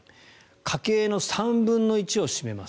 家計の３分１を占めます。